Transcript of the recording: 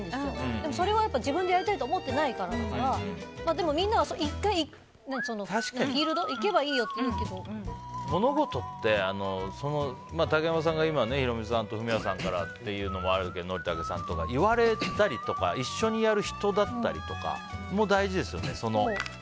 でも、それは自分でやりたいと思ってないからだけどみんなは、１回フィールドに物事って竹山さんが今ヒロミさんとフミヤさんや憲武さんからっていうのもあるけど言われたりとか一緒にやる人だったりとかも大事ですよね。